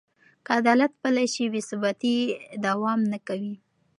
که عدالت پلی شي، بې ثباتي نه دوام کوي.